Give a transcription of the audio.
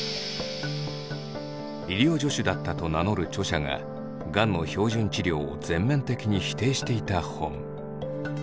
「医療助手だった」と名乗る著者ががんの標準治療を全面的に否定していた本。